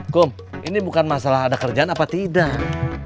kum ini bukan masalah ada kerjaan apa tidak